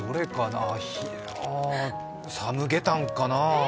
サムゲタンかな。